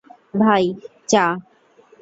ভাই, চা।